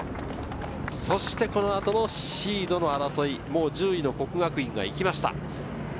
そしてこの後のシードの争い、１０位の國學院が行きました。